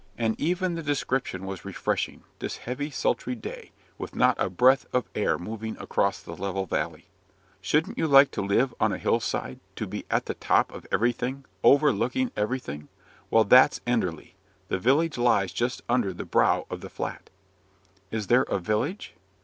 And even the description was refreshing, this heavy, sultry day, with not a breath of air moving across the level valley. "Shouldn't you like to live on a hill side, to be at the top of everything, overlooking everything? Well, that's Enderley: the village lies just under the brow of the Flat." "Is there a village?"